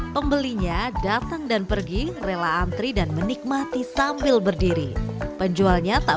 pembelinya datang dan pergi rela antri dan menikmati sambil berdiri penjualnya tak